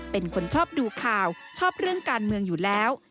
เป็นคนชอบดูข่าวชอบเรื่องการเมืองอยู่แล้ว